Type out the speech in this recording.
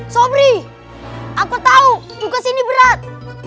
sobri aku tahu tugas ini berat